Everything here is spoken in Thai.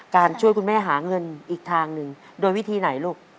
ช่วยคุณแม่หาเงินอีกทางหนึ่งโดยวิธีไหนลูก